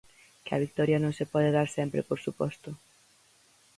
Que a vitoria non se pode dar sempre por suposto.